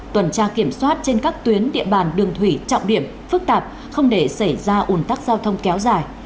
tuần tra kiểm soát trên các tuyến địa bàn đường thủy trọng điểm phức tạp không để xảy ra ủn tắc giao thông kéo dài